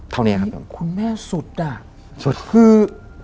เท่านี้ครับคุณแม่สุดอ่ะสุดคือ